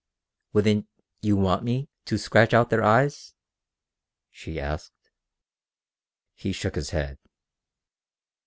"Wouldn't ... you want me ... to scratch out their eyes?" she asked. He shook his head.